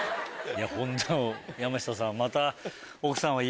ホント山下さんまた。